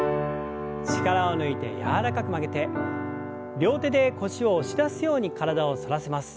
力を抜いて柔らかく曲げて両手で腰を押し出すように体を反らせます。